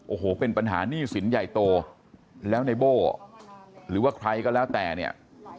โอ้โหเป็นปัญหาหนี้สินใหญ่โตแล้วในโบ้หรือว่าใครก็แล้วแต่เนี่ย